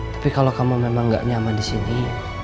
tapi kalau kamu memang gak nyaman disini